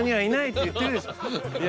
いや